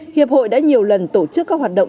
hiệp hội đã nhiều lần tổ chức các hoạt động